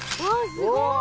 すごい！